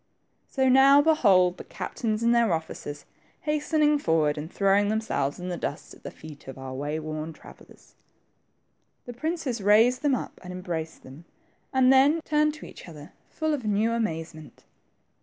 So now behold the captains and their officers THE TWO FRINGES. IQl hastening forward and throwing themselves in the dust at the feet of our wayworn travellers ! The princes raised them up and embraced them, and then turned to each other, full of new amaze ment.